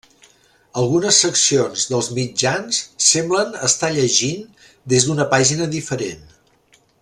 Algunes seccions dels mitjans semblen estar llegint des d'una pàgina diferent.